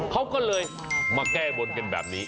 เขาก็เลยมาแก้บนกันแบบนี้